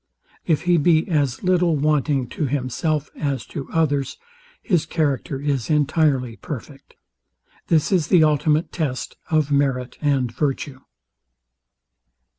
If he be as little wanting to himself as to others, his character is entirely perfect. This is the ultimate test of merit and virtue.